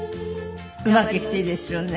うまくいくといいですよね。